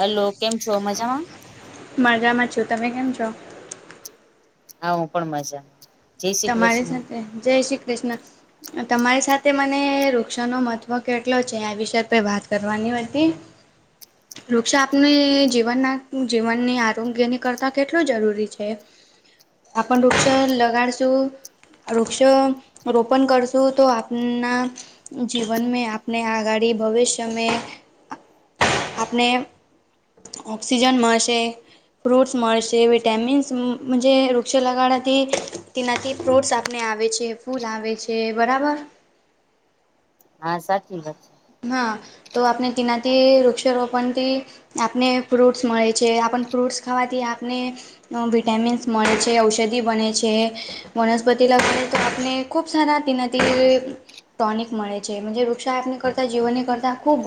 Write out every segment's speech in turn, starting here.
Hello કેમ છો મજામાં માજા માં છો તમે કેમ છો હા હું પણ મજા તમારી સાથે જય શ્રી કૃષ્ણ તમારી સાથે મને વૃક્ષોનો મહત્ત્વ કેટલો છે આ વિષ વાત કરવાની હતી [inaudible] વૃક્ષ આપને જીવનના જીવનની આરોગ્યની કરતાં કેટલું જરૂરી છે આપણ વૃક્ષ લગાડ વૃક્ષ રોપણ કરશું તો આપના જીવન મે આપને આગડી ભવિષ્ય મે આપણે ઓક્સિજન મળસે ફ્રૂટ્સ મળશે વિટેમિન્સજ મનજે વૃક્ષ લગાણાથી તેનાથી ફ્રૂટ્સ આપણે આવે છે ફૂલ આવે છે બરાબર હા સાચી વાત છે હા તો આપણે તેનાથી વૃક્ષારોપણથી આપને ફ્રૂટસ મળે છે આપણ ફ્રૂટ્સ ખાવાથી આપને વિટામિન્સ મળે છે ઔષધિ બને છે વનસ્પતિ લ તો આપણે ખૂબ સારા તેના ટોનિક મળે છે વૃક્ષા આપને કરતા જીવનની કરતા ખૂબ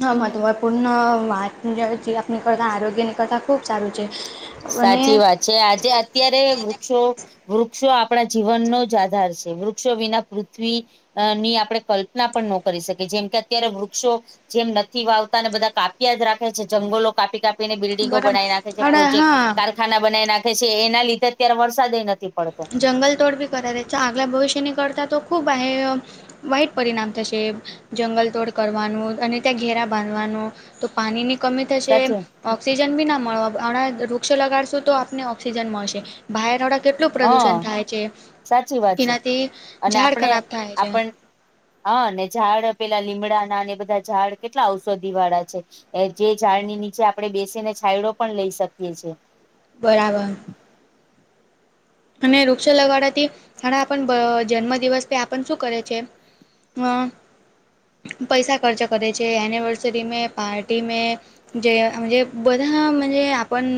હ મહત્ત્વપૂર્ણ વાત જે આપણી કરતા આરોગ્યાની કરતા ખૂબ સારું છે અને સાચી વાત છે આજે અત્યારે વૃક્ષો વૃક્ષો આપણા જીવનનો જ આધાર છે વૃક્ષો વિના પૃથ્વી અ ની આપણે કલ્પના પણ ન કરી શકીએ જેમ કે અત્યારે વૃક્ષો જેમ નથી વાવતા ને બધા કાપ્યા જ રાખે છે જંગલો કાપી કાપી આપને બિલ્ડિંગો બરાબર બનાવી નાખે છે અરે પ્રોજેક્ટ હા કારખાના બનાવી નાખે છે એના લીધે અત્યારે વરસાદ નથી પડતો જંગલ તોડ બી કર દે છે આગલા ભવિષ્યની કરતા તો ખૂબ હ વાઈટ પરિણામ થશે જંગલ તોડ કરવાનું અને ત્યાં ઘેરા બાંધવાનું તો પાણીની કમી થશે સાચી ઓઑક્સિજન બી ના મળવા હણાં વૃક્ષ લગાડશું તો આપને ઓઑક્સિજન મળશે બહાર વડા કે એટલું હા પ્રદુષણ થાય છે સાચી વાત છે એનાથી અને ઝાડ આપણે ખરાબ થાય છે આપણ હા ને ઝાડ પેલા લીમડા ના એ બધા ઝાડ કેટલા ઔષધિ વાળા છે જે ઝાડની નીચે આપણે બેસીને છાયડો પણ લઈ શકીએ છીએ બરાબર અને વૃક્ષ લગાડવાથી ઘણા આપણ જન્મદિવસ તે આપણને શું કરે છે પૈસા ખર્ચા કરે છે એનિવર્સરીમે પાર્ટીમે જે બધાજ આપણ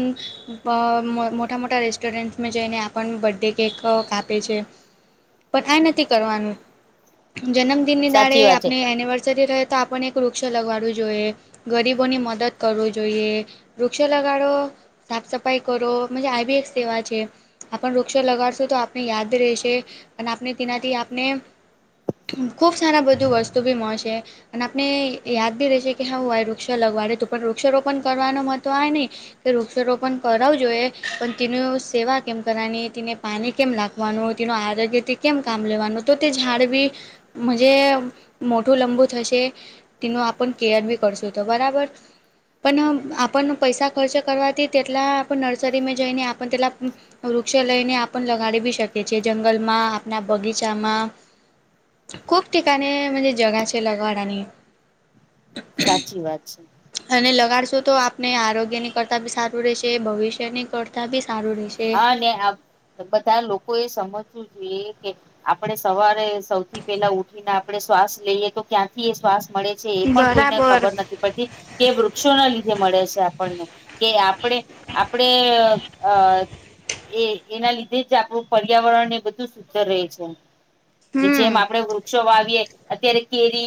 મોટા મોટા રેસ્ટોરન્ટસમાં જઈને બર્થડે કેક કાપે છે પણ આ નથી કરવાનું જન્મ દિનની દાળે સાચી વાત છે આપની એનિવર્સરી રહે તો આપણે એક વૃક્ષ લગાડવું જોઈએ ગરીબોની મદદ કરવું જોઈએ વૃક્ષો લગાડો સાફ સફાઈ કરોજ આ બી એક સેવા છે. આપણે વૃક્ષો લગાડશું તો આપને યાદ રહેશે અને આપણે તેનાથી આપને. ખૂબ સારા બધું વસ્તુ બી મળશે. અને આપને યાદ બી રહશે છે કે હા આય વૃક્ષ લગાડેલ હતુ પણ વૃક્ષારોપણ કરવાનો તો આવે નહીં. કે વૃક્ષારોપણ કરાવું જોઈએ પણ તેની સેવા કેમ કરવાની તેને પાણી કેમ નાખવાનું તેનું આરોગ્યથી કેમ કામ લેવાનું તો તે ઝાડ બી. જ મોટું લંબુ થશે. તેનું આપણે કેયર ભી કરશો તો બરાબર. પણ આપણે પૈસા ખર્ચ કરવાથી તેટલા નર્સરીમાં જઈને આપે તેટલા. વૃક્ષો લઈને આપને લગાડી ભી શકીએ છીએ જંગલમાં આપણા બગીચામાં. ખૂબ ઠેકાણે જ જગા છે લગાડવાની અને. સાચી વાત છે. અને લગાડશું તો આપને આરોગ્યની કરતા બી સારું રહેશે ભવિષ્યની કરતા બી સારું રહેેશે. હા ને આ બધા લોકો એ સમજવું જોઈએ કે આપણે સવારે સૌથી પેલા ઉઠીને આપણે શ્વાસ લઈએ તો ક્યાંથી એ શ્વાસ મળે. એ પણ કોઈને બરાબર. ખબર નથી પડતી કે વૃક્ષોના લીધે મળે છે આપણને. કે આપણે આપણે અ એ એના લીધે જ આપણું પર્યાવરણ એ બધું સુંદર રહે છે. જેમ હમ આપણે વૃક્ષો વાવીએે અત્યારે કેરી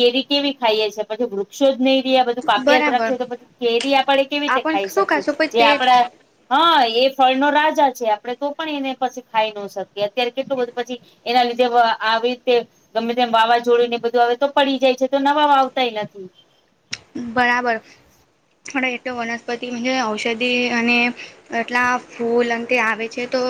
કેરી કેવી ખાઈએ છીએ. પછી વૃક્ષો જ નહી રહે બધું કાપિયા જ બરાબર રાખશે તો પછી કેરી આપણે એ કેવી રીતે આપણ ખાય છે. શું કરશો પણ તે જ. હા એ ફળનો રાજા છે આપણે તો પણ એને પછી ખાઈ ન શકીએ અત્યારે કેટલું બધું પછી. એના લીધે આવી રીતે ગમે તેમ વાવાઝોડું ને બધું આવે તો પડી જાય છે તો નવા વાવતાય નથી. બરાબર એટલે વનસ્પતિ ઔષધિ અને એટલા ફૂલ અંગે આવે છે તો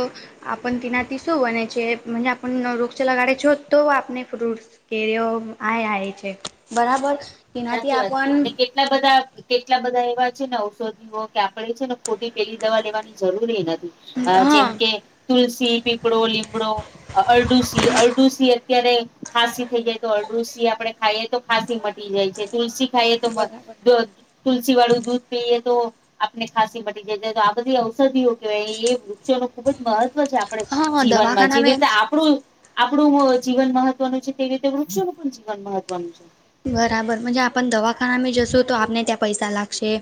આપણ તેનાથી શું બના છે જો આપણે વૃક્ષ લગાડે છે હો તો આપણે ફ્રૂટ્ કેરીઓ આ આ છે બરાબર તેનાથી સાચી આપ વાત. કેટલા બધા કેટલા બધા એવા છે ને ઔષધિઓ કે આપણેે છે ને ખોટી પેલી દવા લેવાની જરૂર નથી. અ હા જેમ કે તુલસી, પીપળો, લીમડો અરડુસી અરડુસી અત્ય્યારે ખાંસી થઈ જાય તો અરડુસી આપણે ખાઈએ તો ખાંસી મટી જાય. તુલસી ખાઈએ તો બરાબર તુલસી વાળું દૂધ પીએ તો આપણને ખાંસી મટી જાય છે તો આ બધી ઔષધિઓ કહેવાય એ વૃક્ષો ખુબ જ મહત્વ છે આપણા હા જીવનમાં જેવી દવાખાના રીતે આપણું આપણું જીવન મહત્વનું છે તેવી રીતે વૃક્ષોનું પણ જીવન મહત્વનું છે. બરાબર જો આપણે દવાખાનામાં જશો તો આપને ત્યાં પૈસા લાગશે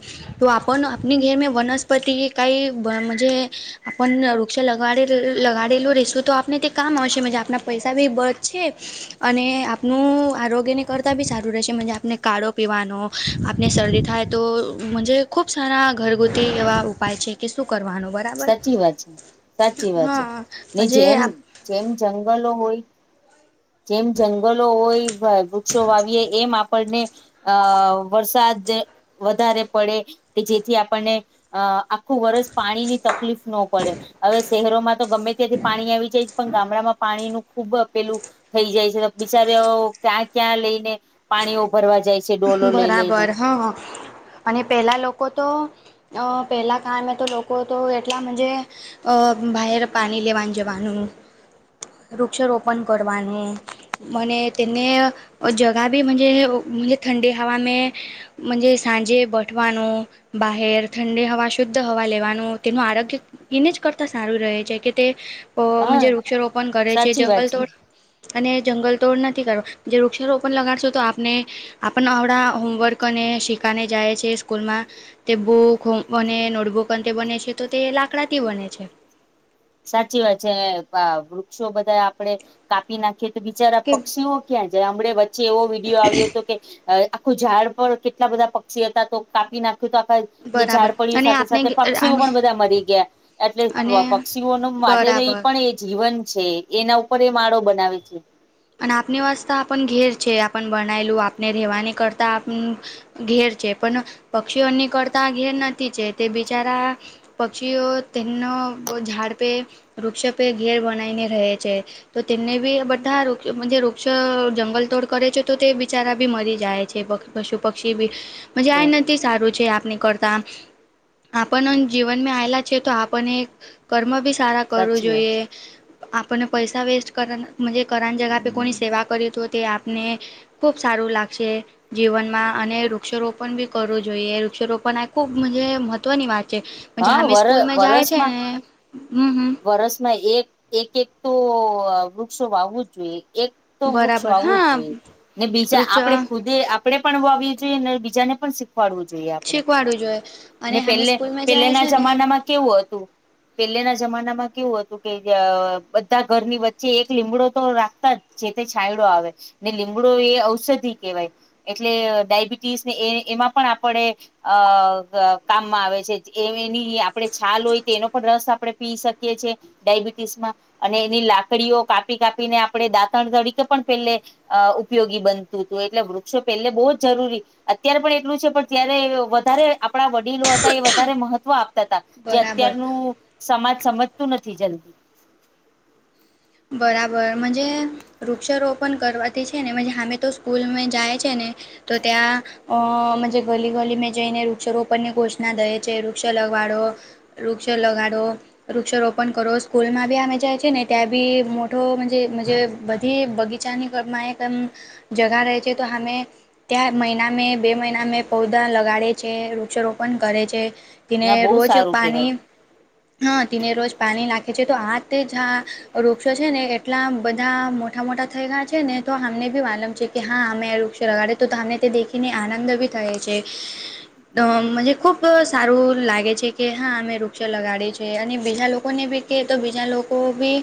તો આપણ આપની ઘર મા વનસ્પતિ કાઈ જે આપણે વૃક્ષ લગાડેલું રહીશું તો આપને તે કામ આવશે આપના પૈસા ભી બચશે. અને આપનું આરોગ્યને ઘર તા બી સારું રહેશે આપને કાળો પીવાનો આપને શરદી થાય તોજ ખુબ સારા ઘરગુતી એવા ઉપાય છે કે શું કરવાનો હોય. સાચી વાત છે સાચી વાત છે હા ને મજે જેમ આપ જેમ જંગલો હોય જેમ જંગલો હોય વૃક્ષો વાવીએ એમ આપણને અ વરસાદ વધારે પડે કે જેથી આપણને અ આખું વરષ પાણીની તકલીફ ન પડે. હવે શહેરોમાં તો ગમે ત્યાંથી પાણી આવી જાય પણ ગામડામાં પાણીનું ખુબ આપેલું થઈ જાય છે બિચાર ક્યાં ક્યાં લઈને પાણીઓ ભરવા જાય છે ડોલો લઈ લઈને બરાબર હા અને પહેલાં લોકો તો પહેલાં કમાં તો લોકો તો એટલા મે અ બહેાર પાણી લેવા જવાનું વૃક્ષારોપણ કરવાનું મને તેને જગા બીજ ઠંડી હવા મે જ સાંજે બઠવાનુંું બહર ઠંડી હવા શુદ્ધ હવા લેવાનું તેનું આરોગ્ય એને જ કરતા સારું રહે છે કે તે હા વૃક્ષારોપણ કરે છે સાચી વાત જંગલ તો અને જંગલ તોડ નથી કર જે વૃક્ષારોપણ લગાડશો તો આપને આપણ આવણાં હોમવર્ક અને શીખાને જાય છે સ્કૂલમાં તે બુક અને નોટબુક અંતે બને છે તો તે લાકડાથી બને છે. સાચી વાત છે વૃક્ષો બધા આપડે કાપી નાખીએ તો બિચારા કે પક્ષીઓ ક્યાં જ હમડ વચ્ચે એવો વિડીિયો આવ્યો હતો કે આખું ઝાડ પર કેટલા બધા પક્ષી હતા તો કાપી નાખતા આખા એ બરાબર ઝાડપડીઓ અને સાથે આપને સાથે પક્ષીઓ અને પણ બધા મરી ગયા એટલે અને પક્ષીઓ ન માટે ન એ બરાબર પણ એ જીવન છે એના ઉપર એ માળો બનાવે છે. અને આપની વાસ્ તો આપણ ઘેર છે આપ બનાયેલું આપણે રહેવાની કરતાં ઘેર છે પણ પક્ષીઓની કરતા ઘેર નથી છે તે બિચારા પક્ષીઓ તનો ઝાડ પે વૃક્ષપે ઘેર બનાને રહે છે તો તેમને બી બધા વૃક્ષ જંગલ તોડ કરે છે તો તે બિચારા બી મરી જાય છે પશુ પક્ષી બી મજ આ તો સારું છે આપની કરતા આપણ જીવનમાં આવેલા છે તો આપણને કર્મ બી સારા કરવું સાચી વાત જોઈએ આપણને પૈસા વેસ્ટ કર કરની જગા પે કોની સેવા કરી તો તે આપને ખૂબ સારું લાગશે જીવનમાં અને વૃક્ષારોપણ બી કરવું જોઈએ વૃક્ષારોપણ આ ખૂબ મહત્વની વાત છે. હા હમે વર સ્કૂલમાં જાય છે વરસમાં ને હમ હમ વરસમાં એક એક એક તો વૃક્ષો વાવવું જ જોઈએ એક તો વૃક્ષ બરાબર વાવું જ હા જોઈએ ને બીજા આપડે વૃક્ષ ખુદે કપડે પણવી જોઈએ અને બીજાને પણ પડવું જોઈએ આપણે શીખવાડું જોઈએ અને ને અમે પેલે સ્કૂલમાં જાય પેલેના છે ને જમાનામાં કેવું હતું. પેલેના જમાનામાં કેવું હતું કે બધા ઘરની વચ્ચે એક લીમડો તો રાખતા જ જે તે છંયડો આવે ને લીમડો એ ઔષધિ કહેવાય એટલે ડાયબિટીસ ને એ એમાં પણ આપણે અ અ કામમાં આવે છે એ એની આપડણે છાલ હોય તો એનો પણ રસ આપડણે પી શકીએ છીએ ડાયબિટીસ માં અને એની લાકડીઓ કાપી કાપીને આપણે દાંતણ તરીકે પણ પેલે અ ઉપયોગી બનતું હતું એટલે વૃક્ષો પહેલે બહુ જ જરૂરી અત્યારે પણ એટલું છે પણ ત્યારે વધારે આપડા વડીલો હતા એ વધારે મહત્વ આપતા હતા જે બરાબર અત્યારનું સમાજ સમજતું નથી જલ્દી. બરાબર મજે. વૃક્ષારોપણ કરવાથી છે ને હમે તો સ્કૂલમાં જાય છે ને તો ત્યાં. અ ગલી ગલી મેં જઈને વૃક્ષારોપણ ની ઘોષણા દે છે વૃક્ષો લગવાડો. વૃક્ષો લગાડો વૃક્ષ રોપણ કરો સ્કૂલ માં બી અમે જાયી ને ત્યાં. બી મોટો બધી બગીચાનીમાં એકમ. જગહ રહે છે તો હમે. ત્યાં મહિના મે બે મહિના મે પૌધા લગાડે છે વૃક્ષારોપણ કરે છે. તેને ના બહુ રોજ સારું કેવાય પાણી હ તેને રોજ પાણી નાખે છે તો આ તે જ. વૃક્ષો છે ને એટલા બધા મોટા મોટા થઈ ગયા છે ને તો આમને બી વાલમ છે. કે હા અમે વૃક્ષો લગાડે તોમને તે દેખીને આનંદ ભી થાય છે. મ ખૂબ સારું લાગે છે કે હા અમે વૃક્ષ લગાડીએી છે અને બીજા લોકોને બી. કે તો બીજા લોકો બી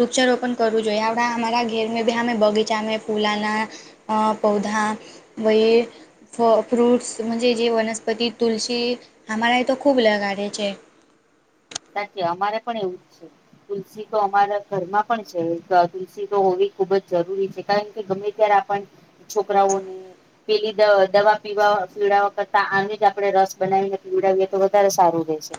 વૃક્ષારોપણ કરવું જોઈએ આપણા અમારા ઘેર ભી અમે બગીચામાં ફૂલાના અ પૌધા વય ફ ફ્રૂટ્સ મજ જે જે વનસ્પતિ તુલસી આમારા એ તો ખૂબ લગાડે છે. તકી અમારે પણ એવું જ છે. તુલસી તો અમારા ઘરમાં પણ છે, તુલસી તો હોવી ખુબ જ જરૂરી છે. કારણ કે ગમે ત્યારે આપણ છોકરાઓને. પેલી દ દવા પીવા પીડવા કરતા આનું જ આપડણે રસ બનાવીને પીવડાવએ વધારે સારું રહેશે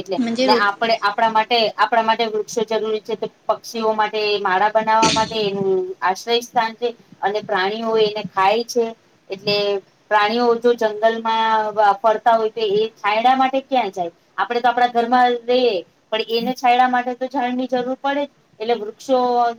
એટલે મજે પણ રો આપણા માટે આપણા માટે વૃક્ષો જરૂરી છે તો પક્ષીઓ માટે માળા બનાવવા માટે એનુ આશ્રય સ્થાન છે અને પ્રાણીઓ એને ખાય છે એટલે પ્રાણીઓ જો જંગલમાં ફરતા હોય, તો એ છાાયડા માટે ક્યાં જાય. આપડે તો આપડા ઘર માં રઈએ પણ એને છાયડા માટે તો જાાયણ ની જરૂર પડે એટલે વૃક્ષો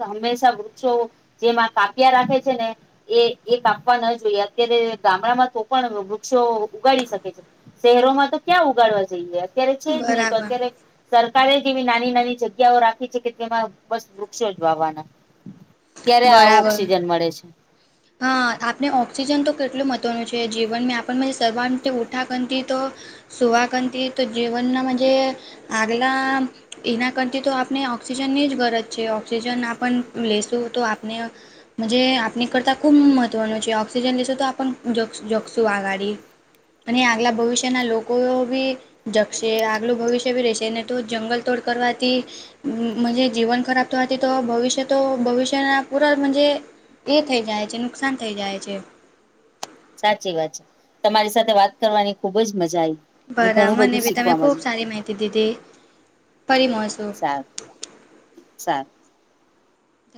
હંમેશા વૃક્ષો જેમાં કાપ્યા રાખે છેને. એ એ કાપવા ન જોઈએ અત્યારે ગામડામાં તો પણ વૃક્ષો ઉગાડી શકે છે. શહેરોમાં તો ક્યાં ઉગાડવા જઈએ અત્યારે છે જ નહી તો બરાબર અત્યારે સરકારે જેવી નાની નાની જગ્યાઓ રાખી છે કે તેમાં બસ વૃક્ષો જ વાવાના ક્યારે આવું બરાબર ઓક્સિજન મળે છે. હા આપણે ઓક્સિજન તો કેટલું મહત્ત્વનું છે જીવન મે આપણ સવારતે ઉઠા ગનતી તો સુવાકંથી તો જીવનનાજ આગલા એના કરતી તો આપણે ઓક્સિજનની જ ગરજ છે ઓક્સિજન આપણ લેશું તો આપણે જ આપણી કરતાં ખૂબ મહત્વનું છે, ઓક્સિજન લેશો તો આપ જોખશું આઘાડી અને આગલા ભવિષ્યના લોકો બી જકશે આગલું ભવિષ્ય બી રેશે તો જંગલ તોડ કરવાથી. જ જીવન ખરાબ તો હતી તો ભવિષ્ય તો ભવિષ્યના પૂરાણજ એ થઇ જાય છે, નુકસાન થઇ જાય છે. સાચી વાત છે તમારી સાથે વાત કરવાની ખુબ જ મજા આવી અને બરા ઘણું મને બધું બી તમે શીખવા ખૂબ મળ્યું સારી માહિતી દીધી ફરી મળસુ સારુ